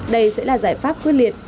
đây sẽ là giải pháp quyết liệt